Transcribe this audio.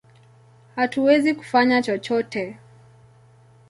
Hatuwezi kufanya chochote!